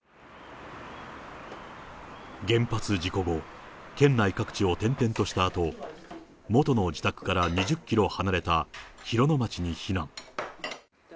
原発事故後、県内各地を転々としたあと、元の自宅から２０キロ離れた広野町に避難。